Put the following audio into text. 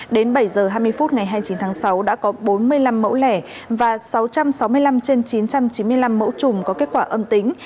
đến bảy h hai mươi phút ngày hai mươi chín tháng sáu đã có bốn mươi năm mẫu lẻ và sáu trăm sáu mươi năm trên chín trăm chín mươi năm mẫu chùm có kết quả âm tính